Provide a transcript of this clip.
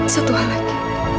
satu hal lagi